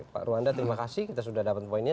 pak ruanda terima kasih kita sudah dapat poinnya